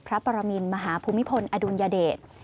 พระปรมินมหาภูมิพลอดุลยเดช